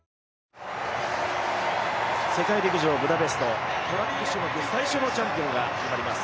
世界陸上ブダペストトラック種目最初のチャンピオンが決まります。